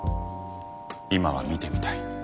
今は見てみたい。